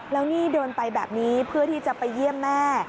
แล้วนี่เดินไปแบบนี้เพื่อที่จะไปเยี่ยมแม่